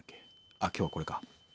あっ今日はこれか。